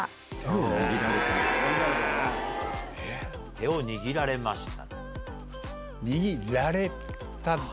「手を握られました」。